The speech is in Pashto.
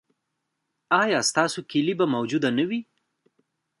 ایا ستاسو کیلي به موجوده نه وي؟